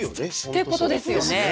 っていうことですよね。